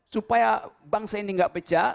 supaya bangsa ini enggak pecah